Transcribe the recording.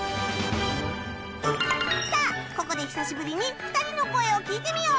さあここで久しぶりに２人の声を聞いてみよう